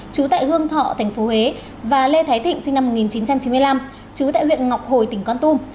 chú tại hương thọ tp huế và lê thái thịnh chú tại huyện ngọc hồi tỉnh con tum